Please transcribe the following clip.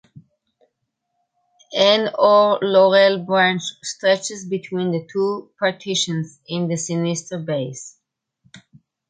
An or laurel branch stretches between the two partitions in the sinister base.